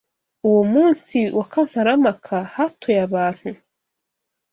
Uwo munsi wa kamarampaka hatoye abantu